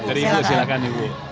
dari dulu silahkan ibu